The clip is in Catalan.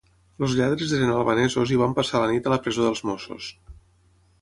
Els lladres eren albanesos i van passar la nit a la presó dels mossos